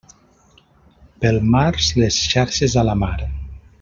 Pel març, les xarxes a la mar.